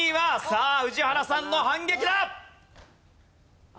さあ宇治原さんの反撃だ！